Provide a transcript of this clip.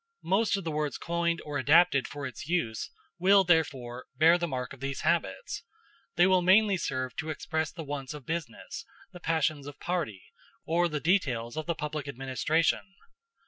Most of the words coined or adopted for its use will therefore bear the mark of these habits; they will mainly serve to express the wants of business, the passions of party, or the details of the public administration.